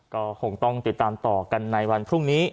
ก็คงต้องติดตามต่อกันในวันพรุ่งนี้